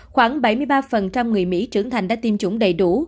khoảng bảy mươi ba người mỹ trưởng thành đã tiêm chủng đầy đủ